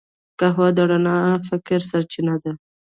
قهوه د رڼا فکر سرچینه ده